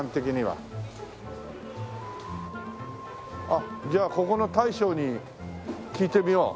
あっじゃあここの大将に聞いてみよう。